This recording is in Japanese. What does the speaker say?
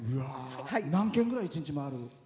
何軒ぐらい、１日回る？